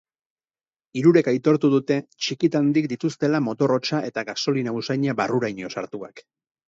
Hirurek aitortu dute txikitandik dituztela motor hotsa eta gasolina usaina barruraino sartuak.